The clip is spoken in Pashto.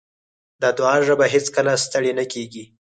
د دعا ژبه هېڅکله ستړې نه کېږي.